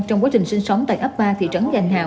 trong quá trình sinh sống tại ấp ba thị trấn gành hào